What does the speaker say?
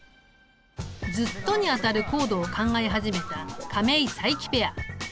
「ずっと」に当たるコードを考え始めた亀井・佐伯ペア。